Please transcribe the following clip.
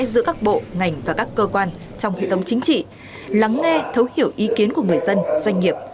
giữa các bộ ngành và các cơ quan trong hệ thống chính trị lắng nghe thấu hiểu ý kiến của người dân doanh nghiệp